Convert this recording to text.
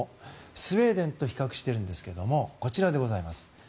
スウェーデンと比較しているんですけどもこちらでございます。